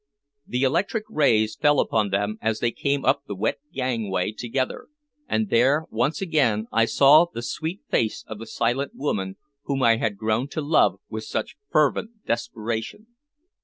The electric rays fell upon them as they came up the wet gangway together, and there once again I saw the sweet face of the silent woman whom I had grown to love with such fervent desperation.